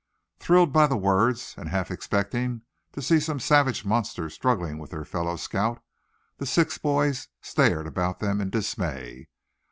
Thrilled by the words, and half expecting to see some savage monster struggling with their fellow scout, the six boys stared about them in dismay.